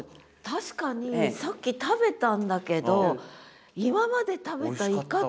確かにさっき食べたんだけど今まで食べたイカと。